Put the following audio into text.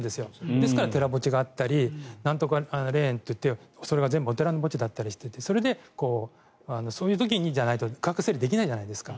ですから寺墓地があったりなんとか霊園っていってそれが全部お寺の墓地だったりしてそういう時じゃないと区画整理はできないじゃないですか。